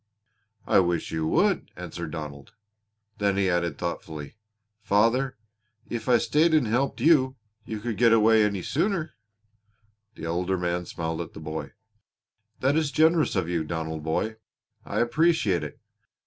"I wish you would," answered Donald. Then he added thoughtfully: "Father, if I stayed and helped you, could you get away any sooner?" The older man smiled at the boy. "That is generous of you, Donald boy. I appreciate it.